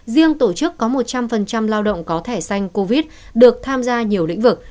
riêng tổ chức có một trăm linh lao động có thẻ xanh covid được tham gia nhiều lĩnh vực